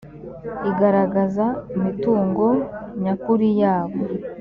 igaragaza imitungo nyakuri yabo